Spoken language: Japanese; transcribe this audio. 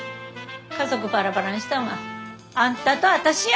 家族バラバラにしたんはあんたと私や！